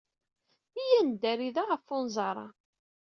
Iyya ad neddari da ɣef unẓar-a.